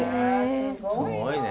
すごいね。